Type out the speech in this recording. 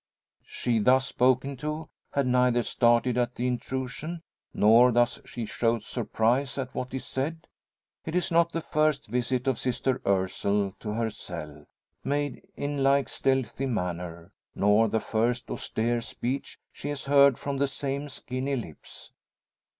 She thus spoken to had neither started at the intrusion, nor does she show surprise at what is said. It is not the first visit of Sister Ursule to her cell, made in like stealthy manner; nor the first austere speech she has heard from the same skinny lips.